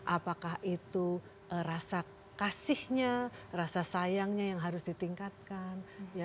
apakah itu rasa kasihnya rasa sayangnya yang harus ditingkatkan